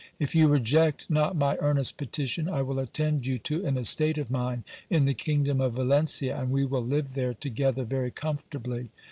If you reject not my earnest petition, I will attend you to an estate of mine in the kingdom of Valencia, and we will live there to gether very comfortably.